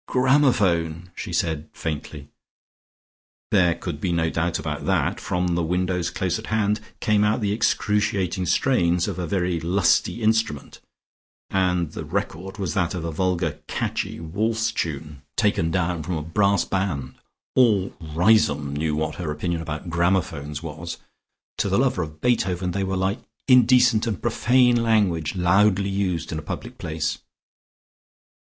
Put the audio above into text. "Gramophone," she said faintly. There could be no doubt about that. From the window close at hand came out the excruciating strains of a very lusty instrument, and the record was that of a vulgar "catchy" waltz tune, taken down from a brass band. All Riseholme knew what her opinion about gramophones was; to the lover of Beethoven they were like indecent and profane language loudly used in a public place.